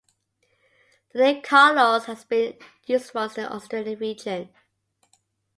The name Carlos has been used once in the Australian region.